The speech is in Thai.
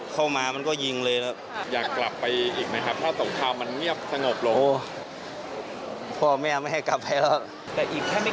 ทำไมเราถึงเลือดที่จะไม่รอ